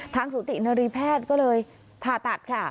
สุตินรีแพทย์ก็เลยผ่าตัดค่ะ